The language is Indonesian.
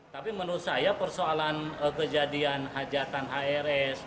tapi menurut saya persoalan kejadian hajatan hrs